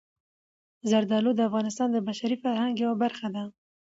زردالو د افغانستان د بشري فرهنګ یوه برخه ده.